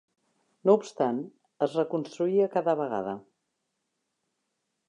No obstant, es reconstruïa cada vegada.